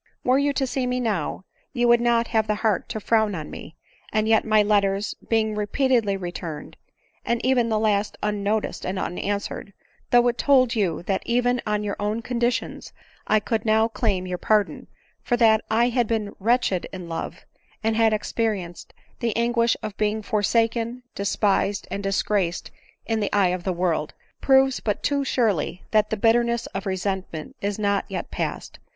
Were you to see me now, you would not have the heart to frown on me ; and yet my letters, be ing repeatedly returned, and even the last unnoticed and unanswered, though it told you that even on your own conditions I could now claim your pardon, for that I had been * wretched in love,' and had experienced ' the an guish of being forsaken, despised, and disgraced in the eye of the world,' proves but too surely that the bitter ness of resentment is not yet past